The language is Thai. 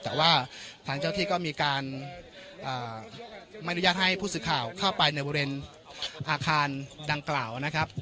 แต่ว่าทางเจ้าที่ก็มีการไม่อนุญาตให้ผู้สื่อข่าวเข้าไปในบริเวณอาคารดังกล่าวนะครับ